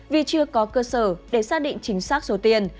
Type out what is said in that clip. vì chưa có cơ sở để xác định chính xác số tiền